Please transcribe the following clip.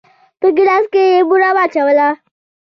په ګيلاس کې يې بوره واچوله.